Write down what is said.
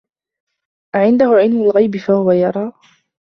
أعنده علم الغيب فهو يرى